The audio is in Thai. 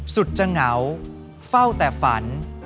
สุดจะเหงาเฝ้าแต่ฝัน